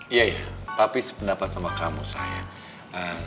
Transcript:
iya iya tapi sependapat sama kamu saya